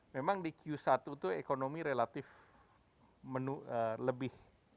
memang di q satu itu ekonomi relatif lebih